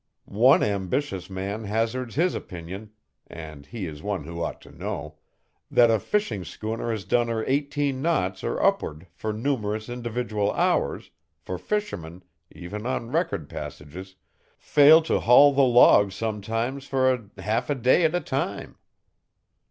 One ambitious man hazards his opinion (and he is one who ought to know) that a fishing schooner has done her eighteen knots or upward for numerous individual hours, for fishermen, even on record passages, fail to haul the log sometimes for half a day at a time.